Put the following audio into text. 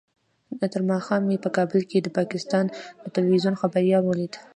تېر ماښام مې په کابل کې د پاکستان د ټلویزیون خبریال ولید.